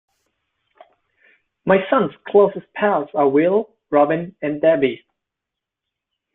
My son's closest pals are Will, Robin and Debbie.